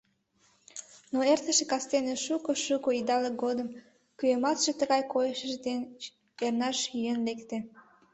Но эртыше кастене шуко-шуко идалык годым кӱэмалтше тыгай койышыж деч эрнаш йӧн лекте.